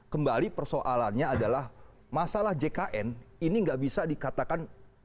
kembali persoalannya adalah masalah jkn ini enggak bisa dikatakan pihak jkn